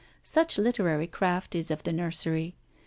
Such literary craft is of the nursery.